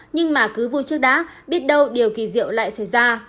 nhưng mà cứ vui trước đã biết đâu điều kỳ diệu lại xảy ra